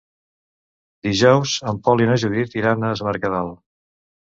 Dijous en Pol i na Judit iran a Es Mercadal.